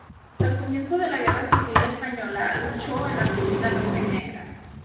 Al comienzo de la Guerra Civil Española, luchó en la Columna Roja y Negra.